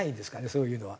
そういうのは。